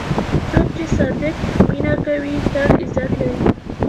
څوک چې صادق مینه کوي، تل عزت لري.